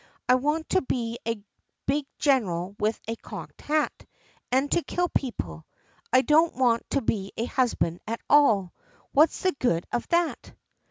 "I want to be a big general with a cocked hat, and to kill people. I don't want to be a husband at all. What's the good of that?"